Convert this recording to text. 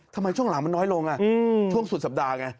ช่วงหลังมันน้อยลงช่วงสุดสัปดาห์ไง